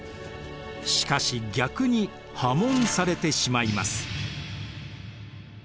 しかし逆に破門されてしまいます。